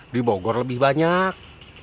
di bogor lebih banyak